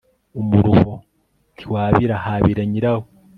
umuruho ntiwabira habira nyirawo